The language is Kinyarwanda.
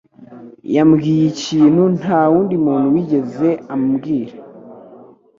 yambwiye ikintu ntawundi muntu wigeze ambwira.